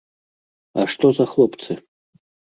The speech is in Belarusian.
А што за хлопцы?